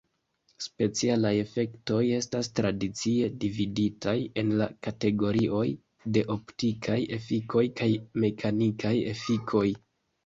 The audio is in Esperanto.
Specialaj efektoj estas tradicie dividitaj en la kategorioj de optikaj efikoj kaj mekanikaj efikoj.